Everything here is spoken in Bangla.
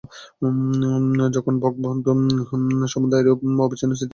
যখন ভগবৎ-সম্বন্ধে এইরূপ অবিচ্ছিন্ন স্মৃতির অবস্থা লব্ধ হয়, তখন সকল বন্ধন নাশ হয়।